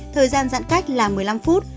thời gian giãn cách là một mươi năm phút